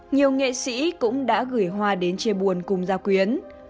nhiều nghệ sĩ cũng đã gửi hoa đến chia buồn cùng gia quyến